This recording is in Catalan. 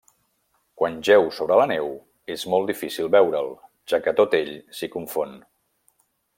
Quan jeu sobre la neu és molt difícil veure'l, ja que tot ell s'hi confon.